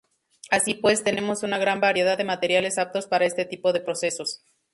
Así pues, tenemos una gran variedad de materiales aptos para este tipo de procesos.